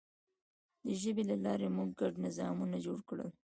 د ژبې له لارې موږ ګډ نظامونه جوړ کړل.